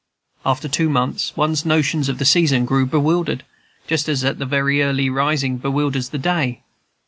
After two months one's notions of the season grew bewildered, just as very early rising bewilders the day.